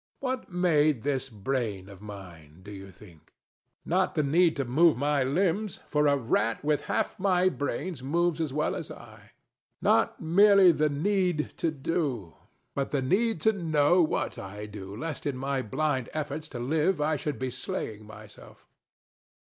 What made this brain of mine, do you think? Not the need to move my limbs; for a rat with half my brains moves as well as I. Not merely the need to do, but the need to know what I do, lest in my blind efforts to live I should be slaying myself.